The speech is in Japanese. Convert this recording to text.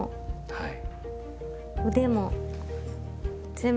はい。